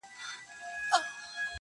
ما خو ستا څخه څو ځله اورېدلي.!